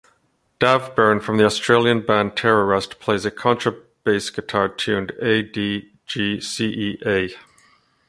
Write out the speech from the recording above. Dav Byrne from the Australian band Terrorust plays a contrabass guitar tuned "A-D-G-C-E-A".